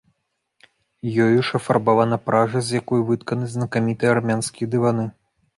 Ёю ж афарбавана пража, з якой вытканы знакамітыя армянскія дываны.